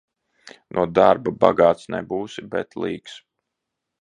No darba bagāts nebūsi, bet līks.